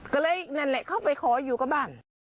ก็เลยนั่นแหละเข้าไปขออยู่กับบ้าน